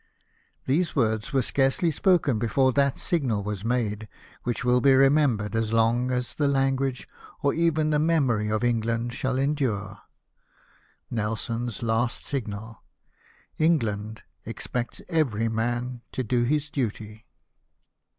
These words were scarcely spoken before that signal was made, which will be remembered as long as the language, or even the memory, of England shall endure — Nelson's last signal: — "England expects every man to do his duty